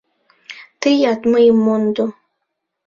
Тыят мыйым мондо!